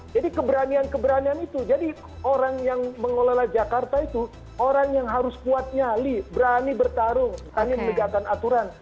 jadi keberanian keberanian itu jadi orang yang mengelola jakarta itu orang yang harus kuatnya berani bertarung berani menegakkan aturan